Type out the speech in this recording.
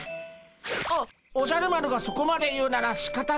おおじゃる丸がそこまで言うならしかたないでゴンス。